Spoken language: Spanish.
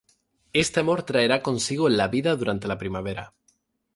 Este amor traerá consigo la vida durante la primavera.